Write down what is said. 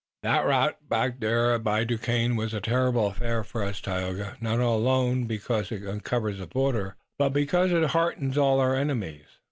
"That rout back there by Duquesne was a terrible affair for us, Tayoga, not alone because it uncovers the border, but because it heartens all our enemies.